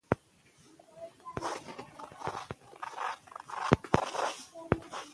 سیندونه د افغانستان د جغرافیایي موقیعت پایله ده.